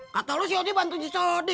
kata lo si odi bantu si sodi